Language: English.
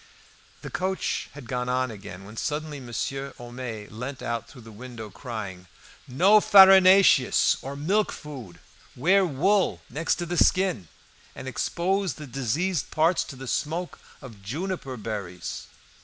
The coach had gone on again when suddenly Monsieur Homais leant out through the window, crying "No farinaceous or milk food, wear wool next the skin, and expose the diseased parts to the smoke of juniper berries."